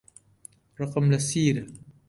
ڕقم لە سیرە.